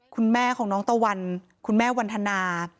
คุณแม่ของน้องตะวันคุณแม่วันทนา